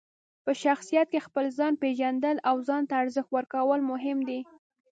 په شخصیت کې خپل ځان پېژندل او ځان ته ارزښت ورکول مهم دي.